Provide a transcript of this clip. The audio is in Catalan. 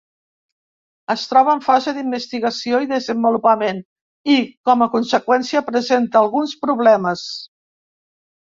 Es troba en fase d'investigació i desenvolupament i, com a conseqüència, presenta alguns problemes.